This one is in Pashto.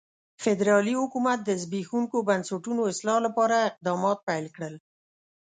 فدرالي حکومت د زبېښونکو بنسټونو اصلاح لپاره اقدامات پیل کړل.